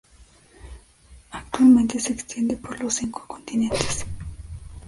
Actualmente se extiende por los cinco continentes.